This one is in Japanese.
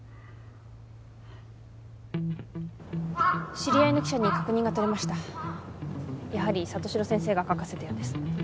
知り合いの記者に確認がとれましたやはり里城先生が書かせたようです